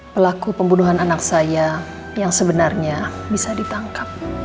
pelaku pembunuhan anak saya yang sebenarnya bisa ditangkap